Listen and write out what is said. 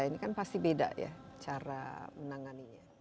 ini kan pasti beda ya cara menanganinya